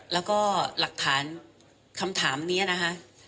แล้วก็หลักฐานคำถามนี้นะคะ